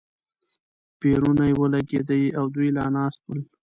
پېرونی ولګېدې او دوی لا ناست ول.